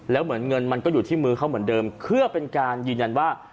แล้วเหมือนเงินมันก็อยู่ที่มือเขาเหมือนเดิมเพื่อเป็นการยืนยันว่า